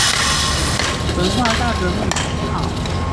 文化大革命口號